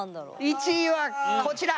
１位はこちら。